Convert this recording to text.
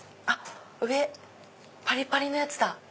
上パリパリのやつだ。